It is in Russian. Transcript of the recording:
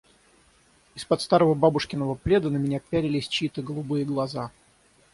Из-под старого бабушкиного пледа на меня пялились чьи-то голубые глаза.